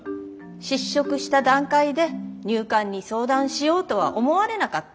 失職した段階で入管に相談しようとは思われなかった？